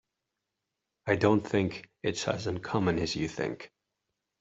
I don't think it's as uncommon as you think.